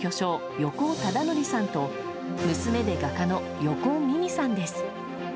横尾忠則さんと娘で画家の横尾美美さんです。